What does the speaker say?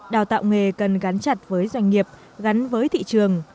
đào tạo nghề cần gắn chặt với doanh nghiệp gắn với thị trường